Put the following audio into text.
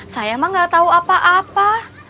saya mah gak tau apa apa